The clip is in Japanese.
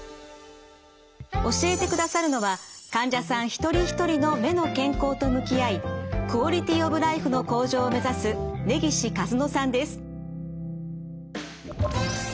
教えてくださるのは患者さん一人一人の目の健康と向き合いクオリティオブライフの向上を目指す根岸一乃さんです。